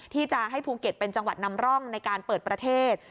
ที่จะให้ภูเก็ตเป็นจังหวัดนำร่องในการเปิดประเทศ